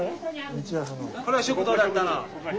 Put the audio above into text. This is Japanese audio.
これは食堂だったの。